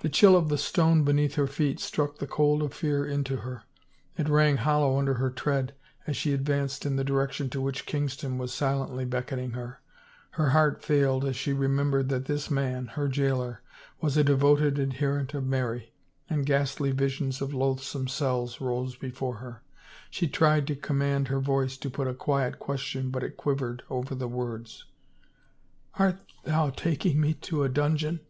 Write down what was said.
The chill of the stone beneath her feet struck the cold of fear into her. It rang hollow under her tread as she advanced in the direction to which Kingston was silently beckoning her. Her heart failed as she remem bered that this man, her jailer, was a devoted adherent of Mary, and ghastly visions of loathsome cells rose before her. She tried to command her voice to put a quiet question but it quivered over the words. " Art thou taking me to — a dungeon